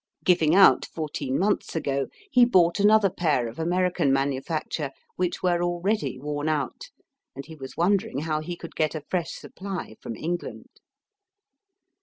Giving out fourteen months ago, he bought another pair of American manufacture, which were already worn out, and he was wondering how he could get a fresh supply from England.